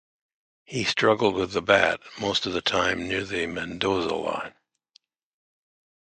He struggled with the bat, most of time near the Mendoza Line.